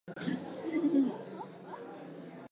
曾任德间书店社长。